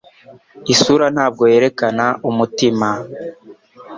Isura ntabwo yerekana umutima